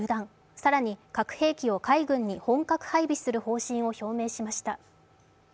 更に核兵器を海軍に本格配備する方針を表明しました。